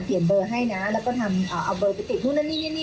เปลี่ยนเบอร์ให้นะแล้วก็เอาเบอร์ไปติด